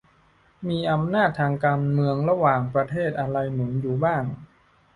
มีอำนาจทางการเมืองระหว่างประเทศอะไรหนุนอยู่บ้าง